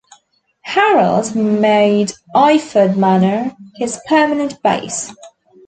Harold made Iford Manor his permanent base.